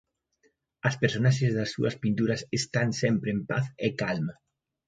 As personaxes das súas pinturas están sempre en paz e calma.